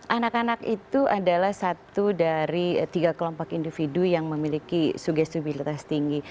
anak anak itu adalah satu dari tiga kelompok individu yang memiliki sugestibilitas tinggi